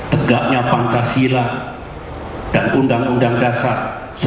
tegaknya pancasila dan undang undang dasar seribu sembilan ratus empat puluh